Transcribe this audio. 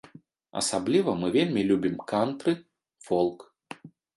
Асабліва мы вельмі любім кантры, фолк.